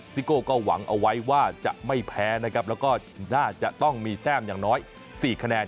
ซิโก้ก็หวังเอาไว้ว่าจะไม่แพ้นะครับแล้วก็น่าจะต้องมีแต้มอย่างน้อย๔คะแนน